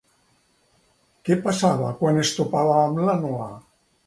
Què passava quan es topava amb la Noa?